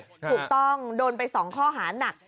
ถูกต้องโดนไป๒ข้อหานัก